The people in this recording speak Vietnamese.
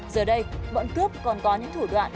giờ đây bọn cướp còn có những thủ đoạn